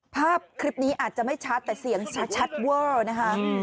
ภาพคลิปนี้อาจจะไม่ชัดแต่เสียงชัดเวอร์นะคะ